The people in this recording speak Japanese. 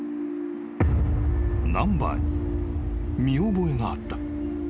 ［ナンバーに見覚えがあった］